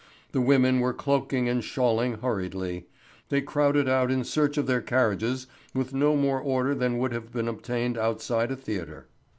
The women were cloaking and shawling hurriedly; they crowded out in search of their carriages with no more order than would have been obtained outside a theatre.